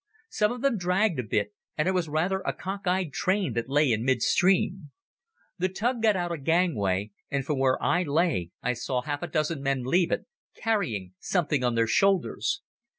Some of them dragged a bit and it was rather a cock eyed train that lay in mid stream. The tug got out a gangway, and from where I lay I saw half a dozen men leave it, carrying something on their shoulders.